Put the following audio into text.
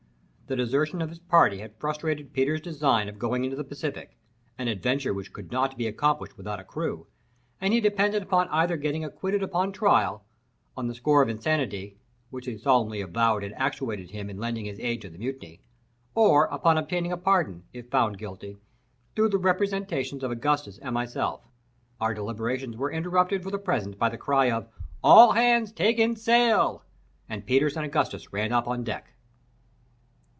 The desertion of his party had frustrated Peters' design of going into the Pacific—an adventure which could not be accomplished without a crew, and he depended upon either getting acquitted upon trial, on the score of insanity (which he solemnly avowed had actuated him in lending his aid to the mutiny), or upon obtaining a pardon, if found guilty, through the representations of Augustus and myself. Our deliberations were interrupted for the present by the cry of, "All hands take in sail," and Peters and Augustus ran up on deck.